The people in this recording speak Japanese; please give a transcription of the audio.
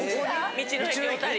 道の駅おたり。